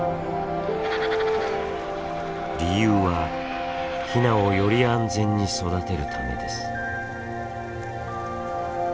理由はヒナをより安全に育てるためです。